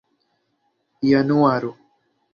januaro